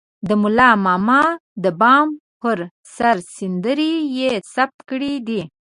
د ملا ماما د بام پر سر سندرې يې ثبت کړې دي.